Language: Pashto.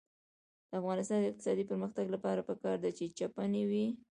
د افغانستان د اقتصادي پرمختګ لپاره پکار ده چې چپنې وي.